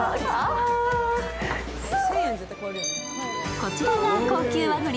こちらが高級和ぐり・